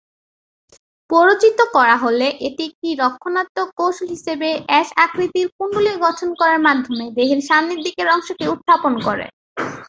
প্ররোচিত করা হলে, এটি একটি রক্ষণাত্মক কৌশল হিসাবে 'এস' আকৃতির কুণ্ডলী গঠন করার মাধ্যমে দেহের সামনের দিকের অংশকে উত্থাপন করে।